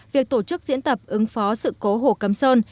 việc tổ chức diễn tập ứng phó sự cố hồ cầm sơn